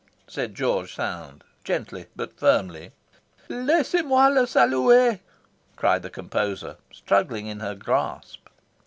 said George Sand, gently but firmly. "Laisse moi le saluer," cried the composer, struggling in her grasp.